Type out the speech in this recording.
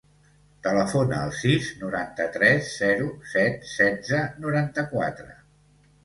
Telefona al sis, noranta-tres, zero, set, setze, noranta-quatre.